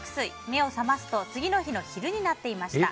目を覚ますと次の日の昼になっていました。